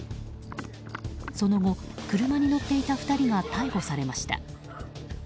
その後、車に乗っていた２人が逮捕されました。